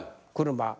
車。